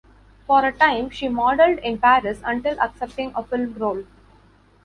For a time she modeled in Paris until accepting a film role.